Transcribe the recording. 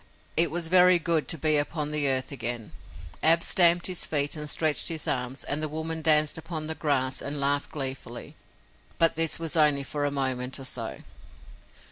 It was very good to be upon the earth again. Ab stamped with his feet and stretched his arms, and the woman danced upon the grass and laughed gleefully. But this was only for a moment or so.